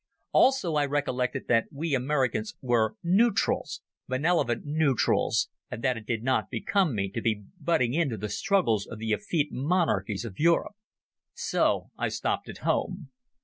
Also I recollected that we Americans were nootrals—benevolent nootrals—and that it did not become me to be butting into the struggles of the effete monarchies of Europe. So I stopped at home.